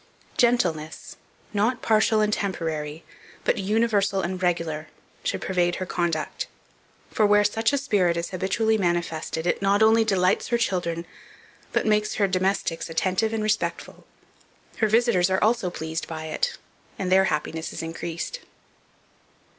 Gentleness, not partial and temporary, but universal and regular, should pervade her conduct; for where such a spirit is habitually manifested, it not only delights her children, but makes her domestics attentive and respectful; her visitors are also pleased by it, and their happiness is increased.